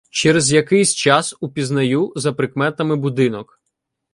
Через якийсь час упізнаю за прикметами будинок.